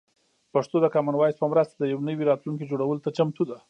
پښتو د کامن وایس په مرسته د یو نوي راتلونکي جوړولو ته چمتو ده.